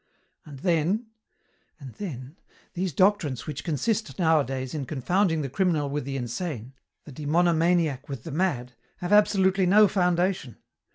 "And then, and then, these doctrines which consist nowadays in confounding the criminal with the insane, the demonomaniac with the mad, have absolutely no foundation.